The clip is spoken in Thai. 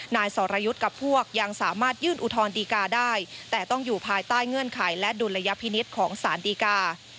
นายสรยุทธ์กับพวกยังสามารถยื่นอุทธรณดีกาได้แต่ต้องอยู่ภายใต้เงื่อนไขและดุลยพินิษฐ์ของสารดีกา